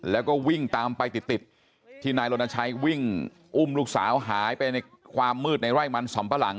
แล้วก็วิ่งตามไปติดติดที่นายรณชัยวิ่งอุ้มลูกสาวหายไปในความมืดในไร่มันสำปะหลัง